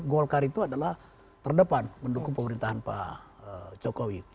golkar itu adalah terdepan mendukung pemerintahan pak jokowi